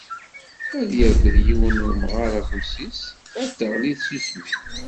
Ad yerfed yiwen n umɣar afus-is, ad d-teɣli tsusmi.